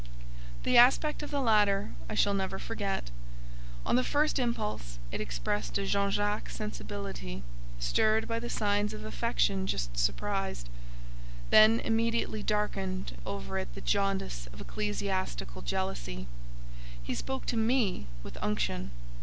The aspect of the latter I shall never forget. On the first impulse it expressed a Jean Jacques sensibility, stirred by the signs of affection just surprised; then, immediately, darkened over it the jaundice of ecclesiastical jealousy. He spoke to me with unction.